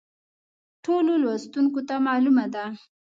ټولو لوستونکو ته معلومه ده.